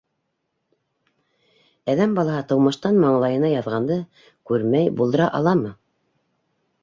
Әҙәм балаһы тыумыштан маңлайына яҙғанды күрмәй булдыра аламы.